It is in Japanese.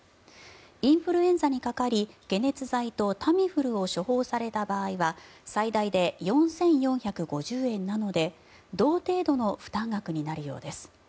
インフルエンザにかかり解熱剤とタミフルを処方された場合は最大で４４５０円なので同程度の負担額になるようです。